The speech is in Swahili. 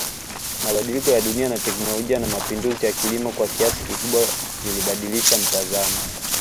Mabadiliko ya dunia na teknolijia na mapinduzi ya kilimo kwa kiasi kikubwa zilibadilisha mtazamo